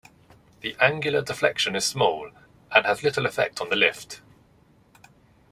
The angular deflection is small and has little effect on the lift.